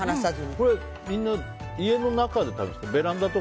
これ、みんな家の中で食べるんですか？